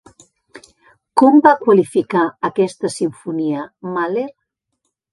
Com va qualificar aquesta simfonia Mahler?